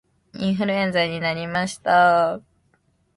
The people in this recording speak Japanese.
インフルエンザになりました